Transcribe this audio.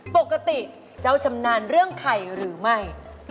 ปกติเจ้าชำนาญเรื่องไข่หรือไม่